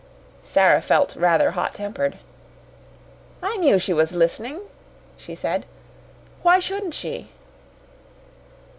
Sara felt rather hot tempered. "I knew she was listening," she said. "Why shouldn't she?"